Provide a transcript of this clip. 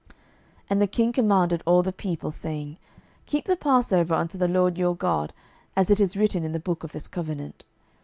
12:023:021 And the king commanded all the people, saying, Keep the passover unto the LORD your God, as it is written in the book of this covenant.